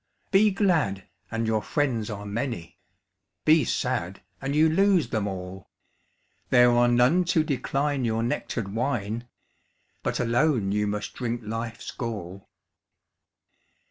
Be glad, and your friends are many; Be sad, and you lose them all; There are none to decline your nectar'd wine, But alone you must drink life's gall.